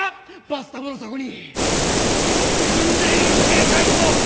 バスタブの底に沈んでいる携帯を！？